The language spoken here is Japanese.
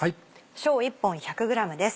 小１本１００ｇです。